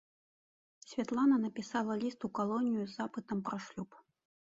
Святлана напісала ліст у калонію з запытам пра шлюб.